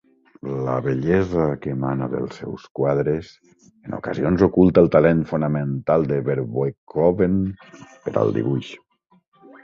La bellesa que emana dels seus quadres en ocasions oculta el talent fonamental de Verboeckhoven per al dibuix.